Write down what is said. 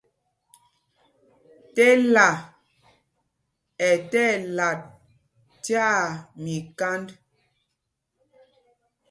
Tela ɛ tí ɛlat tyaa míkānd.